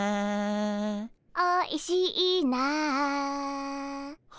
「おいしいな」あ。